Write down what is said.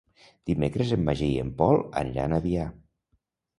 Dimecres en Magí i en Pol aniran a Biar.